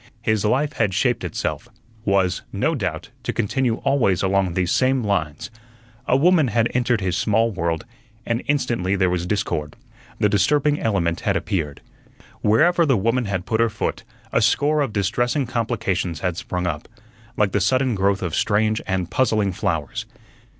His life had shaped itself; was, no doubt, to continue always along these same lines. A woman had entered his small world and instantly there was discord. The disturbing element had appeared. Wherever the woman had put her foot a score of distressing complications had sprung up, like the sudden growth of strange and puzzling flowers.